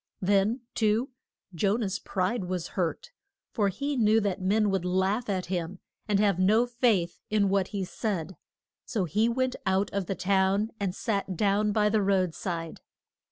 Then, too, Jo nah's pride was hurt, for he knew that men would laugh at him, and have no faith in what he said, so he went out of the town and sat down by the road side.